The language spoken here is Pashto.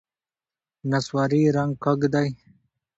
نسواري رنګ کږ دی.